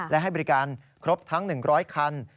และให้บริการครบทั้ง๑๐๐คัน